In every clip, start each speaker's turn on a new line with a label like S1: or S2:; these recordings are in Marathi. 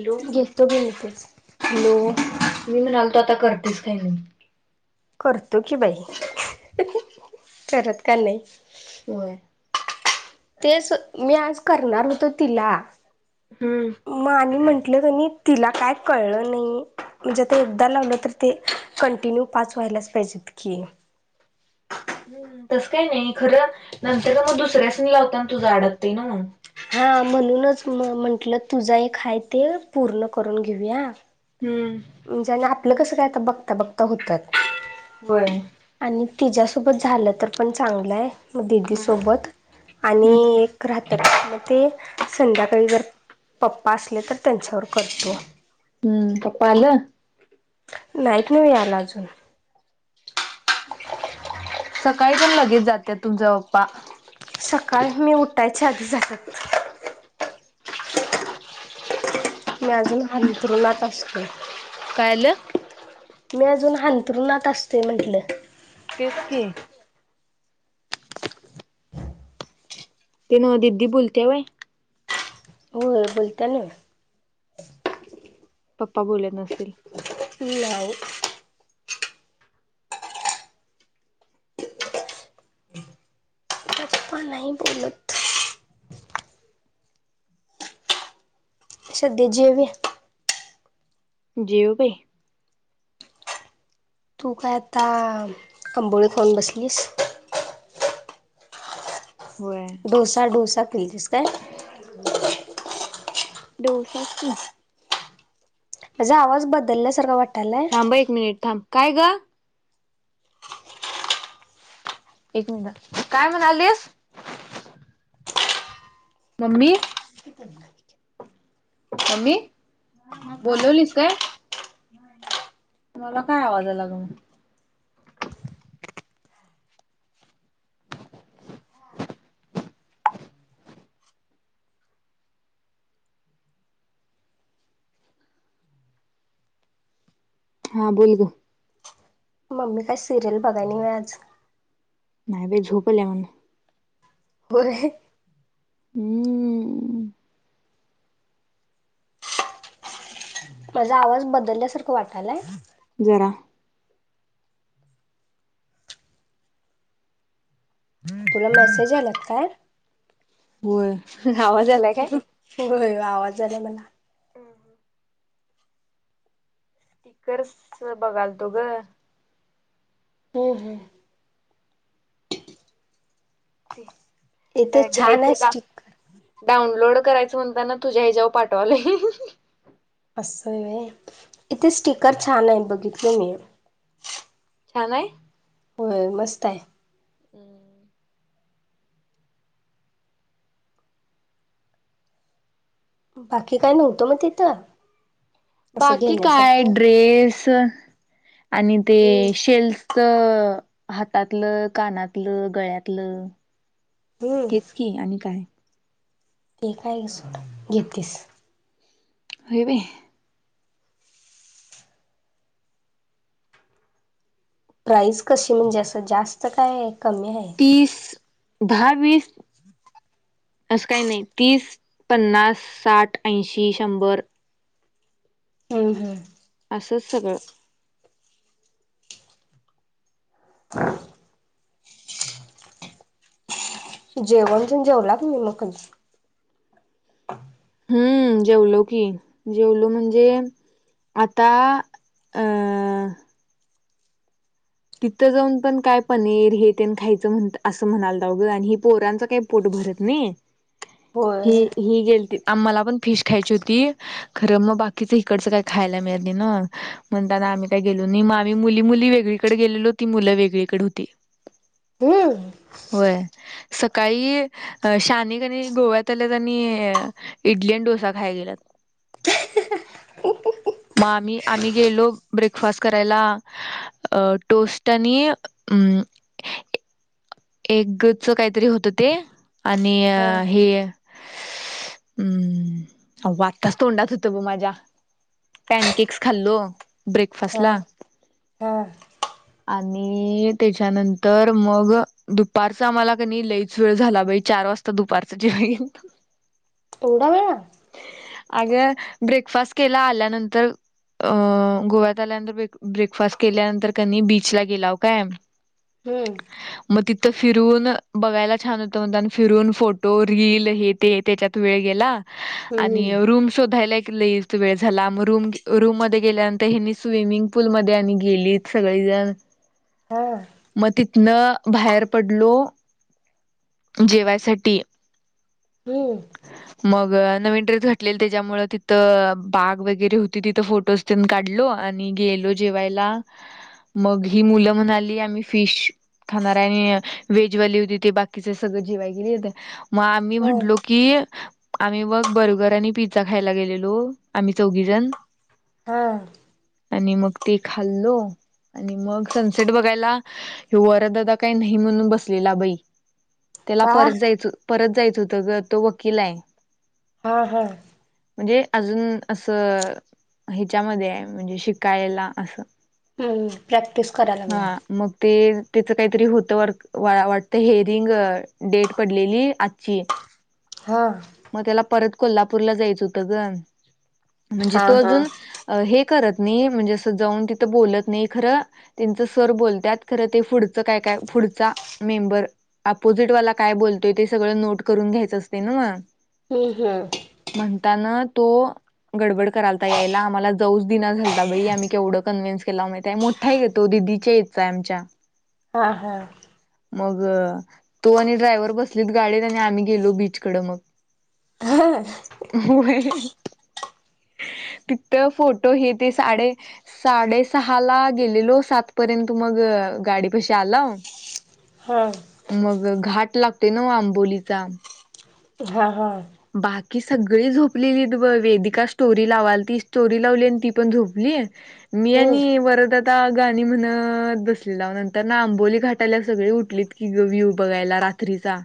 S1: Hello
S2: hello.
S1: मी म्हणाल तो आता करतेस काही नाही.
S2: करतो की बाई करत का नाही.
S1: होय.
S2: तेच मी आज करणार होतो तिला
S1: हम्म
S2: मग आणि म्हटलं तिला काय कळ नाही म्हणजे एकदा लावलं तर ते कंटिन्यू पाच व्हायला व्हायलाच पाहिजेत की?
S1: हम्म तसं काही नाही खरं नंतर मग दुसऱ्यास नि लावताना होताना तुझं अडकते ना.
S2: हा म्हणूनच मग म्हंटलं तुझा एक आहे ते पूर्ण करून घेऊया.
S1: हम्म
S2: म्हणजे आणि आपलं कसं काय बघता बघता होतात.
S1: होय.
S2: तिच्या सोबत झालं तर पण चांगलंय. मग दिदी
S1: हम्म
S2: सोबत आणि एक राहात मग ते संध्याकाळी जर पप्पा असले तर त्यांच्यावर करतो.
S1: हम्म पप्पा आलं?
S2: नाहीत नव याला अजून.
S1: सकाळी पण लगेच जाते तुमचा पप्पा.
S2: सकाळ मी उठायच्या आधी जातात. मी अजून अंथरुणात असतोय.
S1: काल
S2: मी अजून हांंतरुणात असते म्हंटलं.
S1: तेच की ते न दिदी बोलते बाय.
S2: बोलता ना.
S1: पप्पा बोलत नसतील.
S2: लाव. पण नाही बोलत. सछध जे व
S1: जेओबाई.
S2: तू काय आता आंबोळत कोन बसलीस.
S1: होय.
S2: डोसा डोसा कतीस काय
S1: दडोसच नाही.
S2: माझा आवाज बदलल्यासारखा वाटत.
S1: थांब एक मिनिट थांब काय ग एक मिनिटात काय म्हणाल देस म्मी मम्मी बोलवलीस काय. मला काय आवाजा लाग म हा बोल ग
S2: मम्मी काय सिरियल बघाय नाही म आज
S1: नाही ब झोपल म्हन
S2: होरे
S1: हम्मम्.
S2: माझा आवाज बदलल्यासारखं वाटायलाय.
S1: जरा
S2: तुला मेसेज आला का
S1: हो आवाज आलाय काय.
S2: होय आवाज आलाय मला
S1: स्टिकर्स बघालतो ग
S2: हो हो. इथे
S1: ते
S2: छान
S1: घ्यायचं
S2: आहे
S1: का
S2: स्टिकर
S1: डाऊनलोड करायचं म्हणताना तुझ्या हच्याेवर पाठवाल
S2: असं इथे स्टकर छान आहेत बघितले मी
S1: छान आहे.
S2: होय मस्त आहे.
S1: हम्म.
S2: बाकी काय नव्हतं मग तिथं असं
S1: बाकी काय
S2: घेण्यासारखं
S1: ड्रेस आणि ते
S2: हम्म
S1: शेल् हातातलं कानातलं गळ्यातलं
S2: हम्म
S1: तेच की आणि काय
S2: ते काय घ सोड घेततीस
S1: होवे.
S2: प्राईस कशी म्हणजे असं जास्त काय आहे कमी आहे.
S1: दहावीीस असं काही नाही तीस पन्नास साठ ऐंशी शंभर
S2: हम् हम्.
S1: असंच सगळं
S2: जेवणण जेवलात मी मग.
S1: हम्म जेवलो की जेवलो म्हणजे आता अ तिथं जाऊन पण काय पनीर हे त्यां खायचं म्ह असं म्हणालघं आणि पोरांचं काही पोट भरत नाही
S2: होय
S1: हे ही गेलती आम्हाला पण फिश खायची होती खरं मग बाकीच इिकडचं काही खायला मिळाली ना म्हण त्यांना आम्ही काही गेलो आ्ही मुली मुली वेगळीकडे गेलेलो ती मुलं वेगळीकडे होती.
S2: हम.
S1: होय सकाळी शानि किनाय गोव्यात आल्या आणि इडली डोसा खायला गेलात.
S2: [unintelligible]
S1: मग आम्ही आम्ही गेलो ब्रेकफास्ट करायला टोस्ट आणि अमंम
S2: [unintelligible]
S1: एकच काहीतरी होतं ते आणि
S2: हा
S1: हे हम्म वाटताच तोंडात होतं ब माझ्या पॅनकेक्स खाल्लो ब्रेकफास्ट
S2: हा
S1: ला
S2: हा
S1: आणि त्याच्यानंतर मग दुपारच आम्हाला कनी लईच वेळ झाला बाई चार वाजता दुपारचा जेवायलोत
S2: एवडा वेळा.
S1: अग ब्रेकफास्ट केला आल्यानंतर अ गोव्यात आल्यानंतर ब ब्रेकफास्ट केल्यानंतर कनी बीचला गेला ओ काय
S2: हम्म.
S1: मग तिथं फिरून बघायला छान होतं म्हणत आणि फिरून फोटो रील हे ते त्याच्यात वेळ गेला आणि
S2: हम्म
S1: रूम शोधायला वेळ झाला मग रूम रूम मध्ये गेल्यानंतर हे स्विमिंग पूल मध्ये आणि गेलीत सगळी
S2: हा
S1: म तिथन बाहेर पडलो जेवायसाठी
S2: हम्म
S1: मगर मिटे घटले त्याच्यामुळे तिथं बाग वगैरे होती तिथं फोटोजन काढलो आणि गे जेवाय म ही मुलं म्हणाली आम्ही फिश खाणार आणि वेजवाली होती ते बाकीचे सगळ जेवाय गेले त मग आम्ही
S2: हा
S1: म्हंटलो की आम्ही बग बर्गर आणि पिझ्झा खायला गेलेलो आम्ही चौघी जण
S2: हा.
S1: आणि मग ते खाल्लो आणि मग सनसेट बघायला हे वर का नाही म्हण ब त्याला
S2: का
S1: परत जायचं परत जायचं होत तो वकील आहे.
S2: हा हा हा.
S1: म्हणजे अजून असं ह्याच्यामध्ये आहे म्हणजे शिकायला असं
S2: हम्म प्रॅक्टिस कराय लागलाय
S1: हा मग ते त्याचं काहीतरी होतं वर वाटत हेअरिंग डेट पडलेली आजची
S2: हा
S1: मग त्याला परत कोल्हापूरला जायचं होतं ग म्हणजे
S2: हा
S1: तो
S2: हा
S1: अजून हे करत मी म्हणजे असा जाऊन तिथं बोलत नाही खरं त्यांचे सर बोलत्यात खरं ते पुढच काय काय पुढचा मेंबर अपोजिटवाला काय बोलतोय ते सगळं नोट करून घ्यायचं असते ना मग
S2: हम्म हम्म
S1: म्हणताना तो डबड करालता यायला आम्हा जाऊ दिना झाता बई आमही केवळ कन्व्हेन्स केला मा आहे मोठा घेतो दिदीच्या याचा आमच्या
S2: हा हा.
S1: मग तो आणि ड्रायव्हर बसलीत गाडीत आणि आम्ही गेलो बीचकड मग हो.
S2: [inaudible]
S1: तिथ्थ फोटो हे ते साडे साडेसहाला गेलेलो सातपर्यंत मग गाडीपाशी आलाओ
S2: हा
S1: मग घाट लाग ते ना आंबोलीचा.
S2: हा हा.
S1: बाकी सगळी झोपलेली वेदिका स्टोरी लावाल ती स्टोरी लावली ती पण झोपली. मी
S2: हम्म
S1: आणि वरद आता गाणी म्हणत बसलेला नंतर ना आंबोली घाटाला सगळी उठलीत की व्ह्यू बघायला रात्रीचा.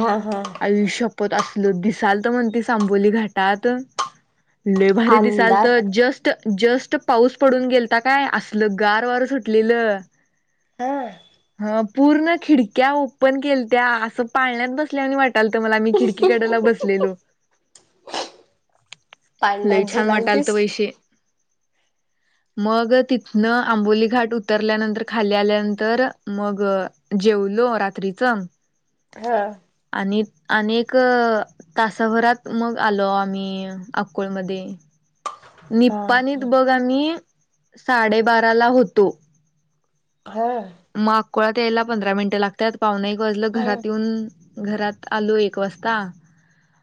S2: हा हा
S1: आईशपथ असल दिसाल तर म्हणते आंबोली घाटात लईभारी दिसालत
S2: अंधार
S1: जस्ट जस्ट पाऊस पडून गेलता काय असल गार वार सुटलेलं
S2: हा
S1: ह पूर्ण खिडक्या ओपन केलत्या असं पाळण्यात बसल्यावाणी वाट लत मला मी खिडकी कडेला बसलेलो. लय
S2: पाण्यात
S1: छान वाटायला
S2: झुलालतीस
S1: थ वैशे.
S2: [unintelligible]
S1: मग तिथन आंबोली घाट उतरल्यानंतर खाली आल्यानंतर मग जेवलो रात्रीच
S2: हा
S1: आणिक तासाभरात मग आलो आम्ही अकोळमध्ये
S2: हा
S1: निप्पाणीत बघ आम्ही साडेबाराला होतो.
S2: हा
S1: कुळात यायला पंधरा मिनटं लागतात पावनेएक वाजलं
S2: हम्म
S1: घरात येऊन घरात आलो एक वाजता,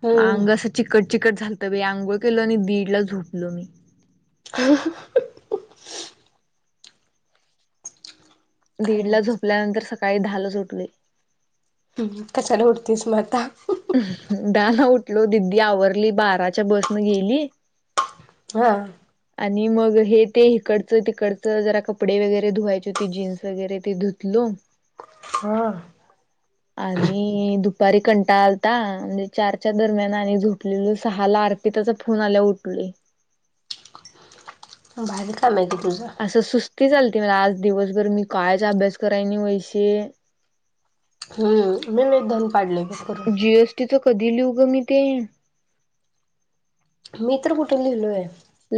S2: हम्म
S1: अंग अस चिकट चिकट झालत, मी आंघोळ केलो आणि दिडला झोपलो मी.
S2: ह ह ह ह काय
S1: दीड ला
S2: नाही
S1: झोपल्यानंतर सकाळी दहालाच उठलोय.
S2: हम् कशाला उठतेस मग आता
S1: दहाला उठलो, दिदी आवरली, बाराच्या बसन गेली.
S2: हा.
S1: आणि मग हे ते इकडचं तिकडचं जरा कपडे वगैरे धुवायचे होते, जीन्स वगैरे ते धुतलो.
S2: हा
S1: [unintelligible] आणि दुपारी कंटाळा आल आलता आणी चारच्या दरम्यान आणि झोपलेलो सहाला अर्पिताचा फोन आल्यावर उठलोय.
S2: भारी चाललंय की. तुझं
S1: असं सुस्तीच आलती मला आज दिवसभर, मी कायच अभ्यास करायनी वैशे
S2: हम्म मी निदान पाडलंय बघ करून
S1: [unintelligible] जीएसटीच कधी लिहु ग मी ते?
S2: मी तर कुठुन लिहिलोय.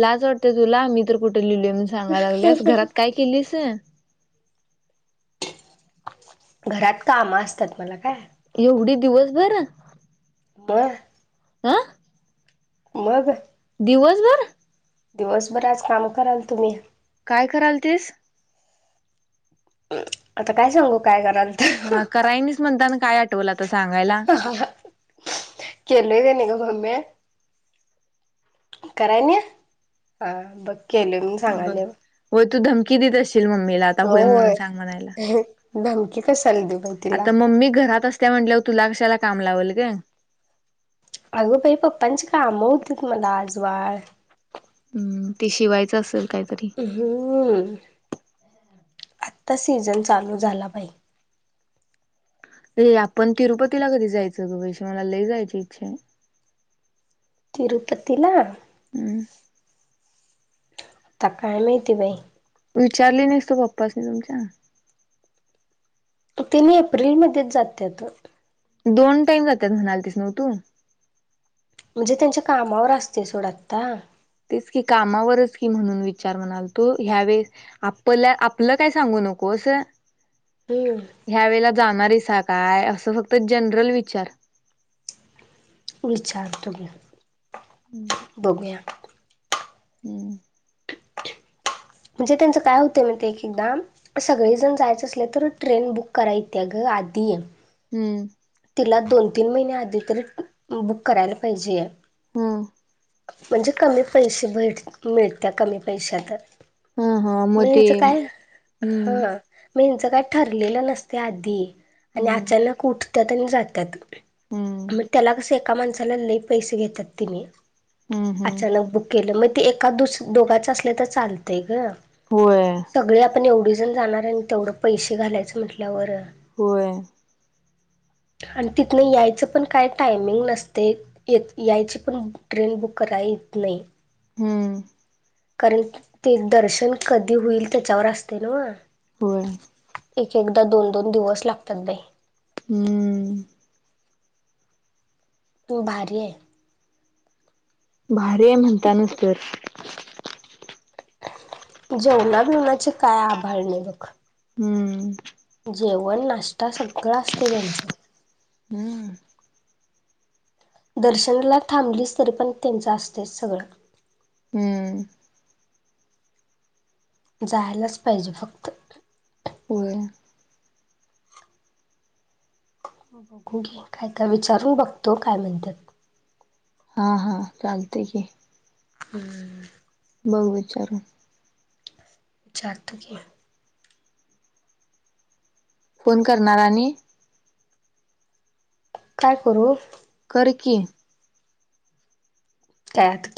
S1: लाज वाटतेय तुला मी तर कुठे लिहिलय म्हणून सांगाय लागल्यास, घरात काय केलीस?
S2: घरात काम असतात मला काय
S1: एवढी दिवसभर?
S2: बर
S1: आ
S2: मग
S1: दिवसभर?
S2: दिवसभर आज काम करालतो मी.
S1: काय करालतीस?
S2: आता काय सांगू काय कराल त ह
S1: हा करायनीच म्हणताना काय आठवलंत
S2: केलोय कणी ग मम्मे कराय नही हा? बघ केलोय म्हणून
S1: बघ.
S2: सांगायल्या बग.
S1: होय तू धमकी देत अशी ममीला आता होय म्हणून सांग म्हणायला
S2: धमकी कशाला देऊ बाई तिला
S1: आता मम्मी घरात अस त्या म्हंटल्यावर तुला कशाला काम लावल ग
S2: अग बय पप्पांची काम होतीत मला आज बाळ
S1: हम्म ते शिवायच असल
S2: हम्म आता सीझन चालू झाला बाई
S1: ये आपण तिरुपतीला कधी जायचं ग वैशे मला लई जायची इच्छा हाय.
S2: तिरूपतीला
S1: हम्म
S2: आता काय माहिती बाई
S1: विचारली नाहीस तू पप्पाासनी तुमच्या
S2: तेनि एप्रिलमध्येच जात्यात वाट
S1: दोन टाईम जात्यात म्हणालतीस न्हव तू
S2: म्हणजे त्यांच्या कामावर असतय सोड आता
S1: तेच की कामावरच की म्हणून विचार म्हणाल तो ह्या वेळेस स आप आपलं काय सांगून नकोस
S2: हम्म
S1: ह्या वेळेला जाणार आहेस. येता काय अस फक्त जनरल विचार.
S2: विचारतो बघुया.
S1: हम्म
S2: म्हणजे त्यांचं काय होतय माहिती एक एकदा सगळे जण जायचं असल तर ट्रेन बुक कराय येती गं. आधी
S1: हम्म हम्म
S2: तिला दोन तीन महिन्या आधी तर बुक करायला पाहिजेय.
S1: हम्म
S2: म्हणजे कमी पैसे भेट मिळत्या कमी पैशा तर
S1: हा हा मग ते
S2: मेंलच काय
S1: हम्म
S2: हा मेल. ते काय ठरलेलं नसतय आधी आणि
S1: हम्म
S2: अचानक उठत्यात आणि जात्यात.
S1: हम्म
S2: मग त्याला कसं एका माणसाला लय पैसे घेतात ते.
S1: हम्म हम्म
S2: अचानक बुक केलं मग ते एका दुस दोघाच असल तर चालतय ग.
S1: होय
S2: सगळे आपण एवढी जण जाणार आणि तेवढं पैसे घालायचं म्हटल्यावर
S1: होय.
S2: ह [inaudible] आणि तिथून यायचं पण काय टायमिंग नसतय येत यायची पण ट्रेन बुक करायईल. [unintelligible]
S1: हम्म
S2: करेल ते दर्शन कधी होईल त्याच्यावर असतय नव्ह.
S1: होय
S2: एक एकदा दोन दोन दिवस लागत्यात बई.
S1: हम
S2: तू भारी आहे.
S1: भारी आहे म्हणतानचं गं
S2: जेवनाबीवनाची काय आभाळ नाह बघ.
S1: हम्म
S2: जेवण नाश्ता सगळं असतय त्यांचं.
S1: हम्म
S2: दर्शनाला थांबलीस तरी पण त्यांचं असतयच सगळं.
S1: हम्म
S2: जायालाच पाहिजे फक्त.
S1: होय
S2: बघु की काय काय विचारून बघतो काय म्हणत्यात.
S1: हा हां चालतय की.
S2: हम्म
S1: बघु विचारून.
S2: विचारतो की.
S1: फोन करणार आणि
S2: काय करू?
S1: कर की.
S2: काय आता.